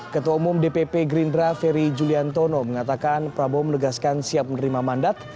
ketua umum dpp gerindra ferry juliantono mengatakan prabowo menegaskan siap menerima mandat